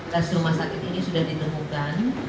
empat belas rumah sakit ini sudah ditemukan